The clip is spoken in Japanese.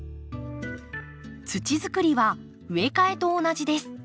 土作りは植え替えと同じです。